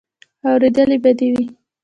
اورېدلې به دې وي.